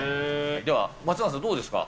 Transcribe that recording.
では松永さん、どうですか？